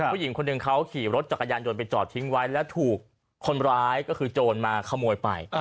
ผู้หญิงคนหนึ่งเขาขี่รถจักรยานยนต์ไปจอดทิ้งไว้แล้วถูกคนร้ายก็คือโจรมาขโมยไป